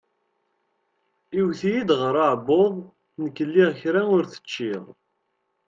Iwet-iyi-d ɣer uɛebbuḍ, nekk lliɣ kra ur t-ččiɣ.